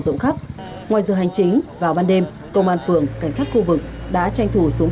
trong thời gian trở thành công an phường hếu đã tự ý bỏ trốn khỏi địa phương